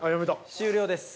終了です。